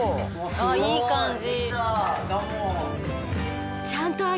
いい感じ。